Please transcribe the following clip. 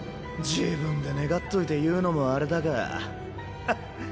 自分で願っといて言うのもあれだがへっ！